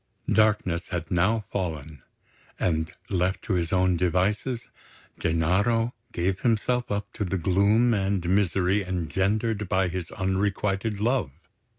Darkness had now fallen; and, left to his own devices, Gennaro gave himself up to the gloom and misery engendered by his unrequited love.